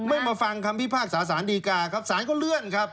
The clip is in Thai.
ไม่มาฟังครับพี่ภาคสาธารณ์ดีการ์ครับศาลเขาเลื่อนครับ